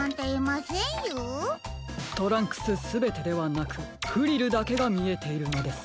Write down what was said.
トランクスすべてではなくフリルだけがみえているのです。